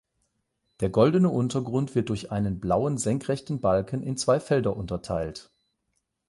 Der goldene Untergrund wird durch einen blauen senkrechten Balken in zwei Felder unterteilt.